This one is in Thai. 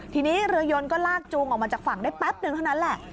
ทีนี้เรือยนก็ลากจูงออกมาจากฝั่งได้แป๊บนึงเท่านั้นแหละ